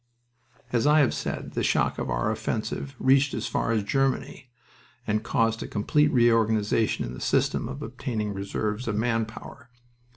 As I have said, the shock of our offensive reached as far as Germany, and caused a complete reorganization in the system of obtaining reserves of man power.